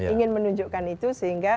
ingin menunjukkan itu sehingga